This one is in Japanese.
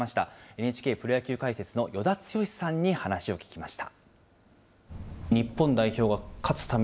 ＮＨＫプロ野球解説の与田剛さんに話を聞きました。